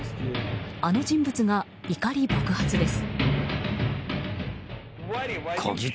あの人物が、怒り爆発です。